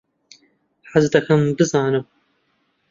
حەز دەکەم بزانم.